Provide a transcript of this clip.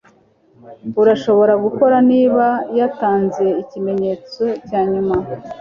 arashobora gukora niba yatanze ikimenyetso cyanyuma